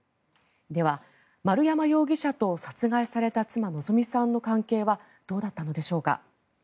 では、丸山容疑者と殺害された妻・希美さんの関係はどうだったのでしょうか。